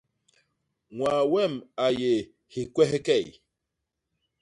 Ñwaa wem a yé hikwehkey.